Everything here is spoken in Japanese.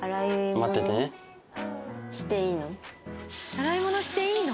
「洗い物していいの？」